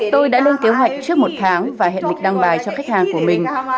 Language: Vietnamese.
tôi đã lên kế hoạch trước một tháng và hẹn lịch đăng bài cho khách hàng của mình